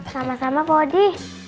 sama sama pak odi